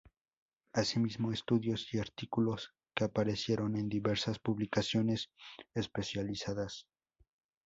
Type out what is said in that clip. Asimismo, estudios y artículos que aparecieron en diversas publicaciones especializadas.